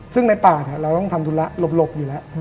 ซึ่งในป่าเราต้องทำธุระหลบอยู่แล้ว